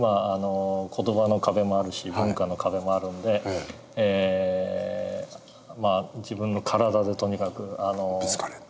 言葉の壁もあるし文化の壁もあるんで自分の体でとにかく。